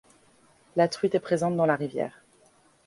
La truite est présente dans la rivière.